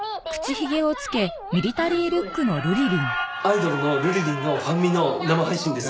アイドルのルリリンのファンミの生配信です。